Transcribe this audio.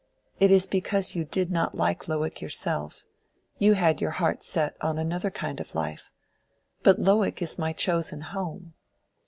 It is because you did not like Lowick yourself: you had set your heart on another kind of life. But Lowick is my chosen home."